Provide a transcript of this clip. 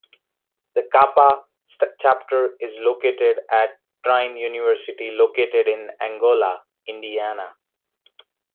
The Kappa Chapter is located at Trine University located in Angola, Indiana.